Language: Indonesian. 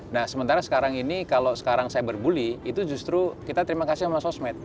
nah sementara sekarang ini kalau sekarang cyberbully itu justru kita terima kasih sama sosmed